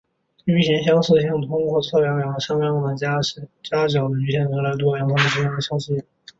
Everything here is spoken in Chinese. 余弦相似性通过测量两个向量的夹角的余弦值来度量它们之间的相似性。